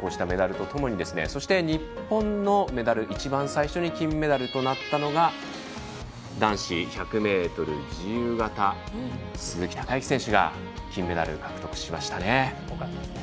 こうしたメダルとともにですね日本のメダル、一番最初に金メダルとなったのが男子１００ｍ自由形鈴木孝幸選手が金メダル、獲得しましたね。